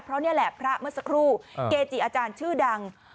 เพราะนี่แหละพระเมื่อสักครู่เกจิอาจารย์ชื่อดัง